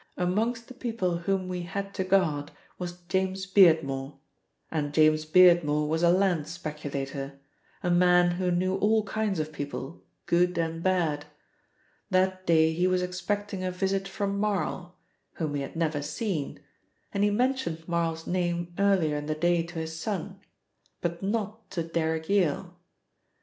Amongst the people whom we had to guard was James Beardmore, and James Beardmore was a land speculator, a man who knew all kinds of people, good and bad. That day he was expecting a visit from Marl, whom he had never seen, and he mentioned Marl's name earlier in the day to his son, but not to Derrick Yale.